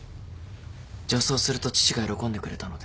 女装すると父が喜んでくれたので。